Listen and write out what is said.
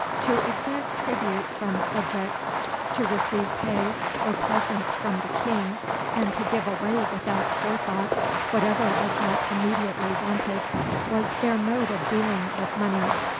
To exact tribute from subjects, to receive pay or presents from the king, and to give away without forethought whatever was not immediately wanted, was their mode of dealing with money.